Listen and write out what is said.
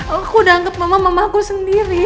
aku udah anggap mama mama aku sendiri